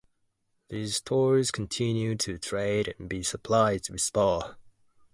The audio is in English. These stores continued to trade and be supplied by Spar.